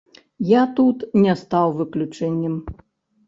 Я тут не стаў выключэннем.